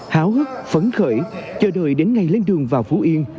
háo hức phấn khởi chờ đợi đến ngày lên đường vào phú yên